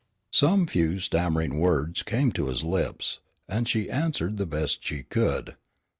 Some few stammering words came to his lips, and she answered the best she could.